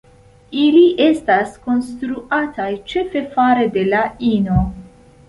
Ili estas konstruataj ĉefe fare de la ino.